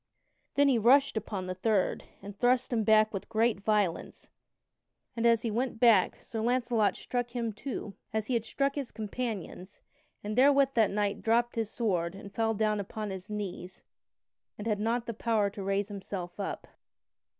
Then he rushed upon the third and thrust him back with great violence, and as he went back Sir Launcelot struck him, too, as he had struck his companions and therewith that knight dropped his sword and fell down upon his knees and had not power to raise himself up.